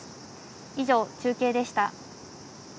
以上、中継でした。